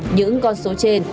những con số trên